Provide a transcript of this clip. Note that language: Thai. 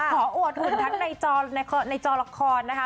อวดหุ่นทั้งในจอละครนะคะ